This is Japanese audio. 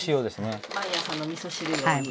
毎朝のみそ汁用。